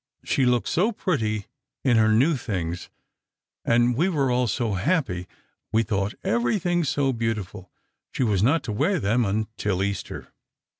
She looked so pretty in her new things—and we were all so happy. We thought everything so beautiful. She was not to wear them until Easter.